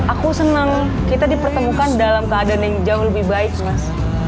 aku senang kita dipertemukan dalam keadaan yang jauh lebih baik mas